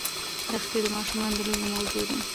دښتې د ماشومانو د لوبو موضوع ده.